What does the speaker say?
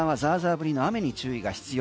降りの雨に注意が必要。